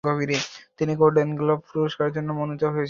তিনি Golden Globe পুরস্কারের জন্যও মনোনীত হয়েছিলেন।